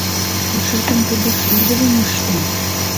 Тушакын тудо шӱргыжым ӱштын.